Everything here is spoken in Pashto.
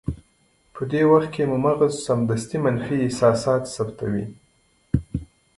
په دې وخت کې مو مغز سمدستي منفي احساسات ثبتوي.